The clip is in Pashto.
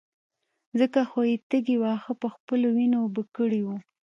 ځکه خو يې تږي واښه په خپلو وينو اوبه کړي وو.